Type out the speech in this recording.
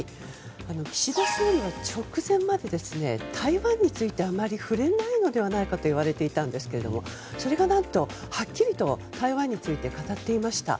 岸田総理は、直前まで台湾についてあまり触れないのではないかといわれていたんですけれどもそれが何と、はっきりと台湾について語っていました。